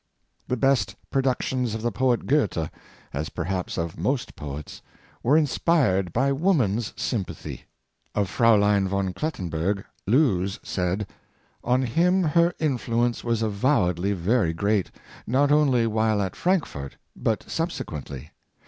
The best productions of the poet Goethe, as perhaps of most poets, were inspired by woman's sympathy. Of Fraulein von Klettenburg, Lewes says: "On him her influence was avowedly very great, not only while at Frankfort but subsequently.